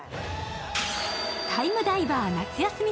タイムダイバー夏休み